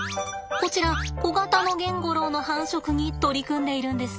こちらコガタノゲンゴロウの繁殖に取り組んでいるんです。